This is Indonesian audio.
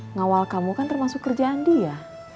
ngawal kamu kan termasuk kerjaan dia